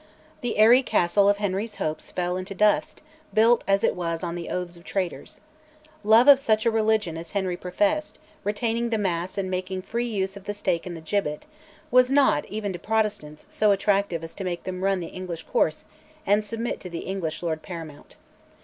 The airy castle of Henry's hopes fell into dust, built as it was on the oaths of traitors. Love of such a religion as Henry professed, retaining the Mass and making free use of the stake and the gibbet, was not, even to Protestants, so attractive as to make them run the English course and submit to the English Lord Paramount.